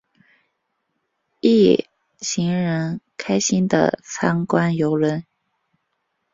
一行人开心的参观邮轮。